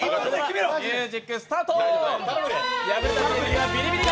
ミュージックスタート。